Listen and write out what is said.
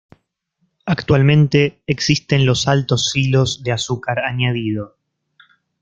Actualmente, existen los altos silos de azúcar añadido.